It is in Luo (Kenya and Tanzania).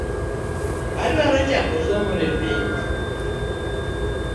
Adwa chako somo ne penj